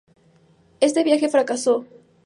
Este viaje fracasó.